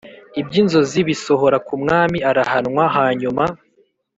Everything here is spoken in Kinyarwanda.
Iby inzozi bisohora ku mwami arahanwa hanyuma